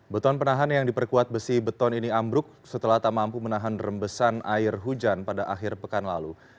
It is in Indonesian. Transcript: beton penahan yang diperkuat besi beton ini ambruk setelah tak mampu menahan rembesan air hujan pada akhir pekan lalu